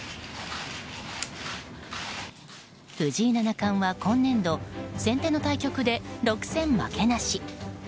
藤井七冠は今年度、先手の対局で６戦負けなし。